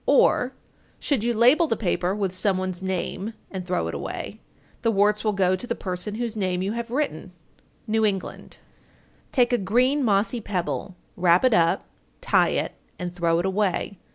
Or, should you label the paper with some one's name and throw it away, the warts will go to the person whose name you have written. New England. 908. Take a green, mossy pebble, wrap it up, tie it, and throw it away.